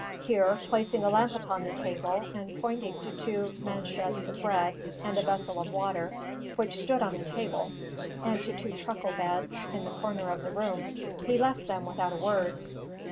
Here, placing a lamp upon the table, and pointing to two manchets of bread and a vessel of water, which stood on the table; and to two truckle beds, in the corner of the room, he left them without a word.